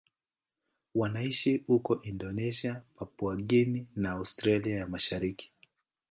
Wanaishi huko Indonesia, Papua New Guinea na Australia ya Mashariki.